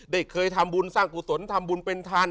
เคยทำบุญสร้างกุศลทำบุญเป็นทาน